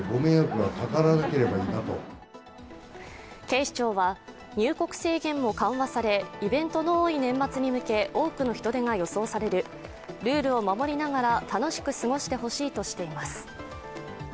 警視庁は、入国制限も緩和され、イベントの多い年末に向け多くの人出が予想される、ルールを守りながら楽しく過ごしてほしいとしています。